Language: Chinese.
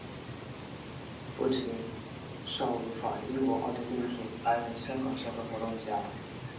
父亲邵维钫英国奥地利裔白人香港社会活动家。